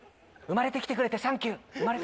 生まれて来てくれてサンキュー‼